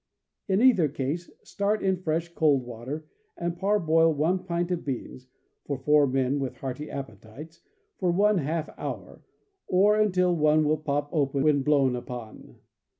In either case, start in fresh cold water, and parboil one pint of beans (for four men with hearty appetites) for one half hour, or until one will pop open when blown upon.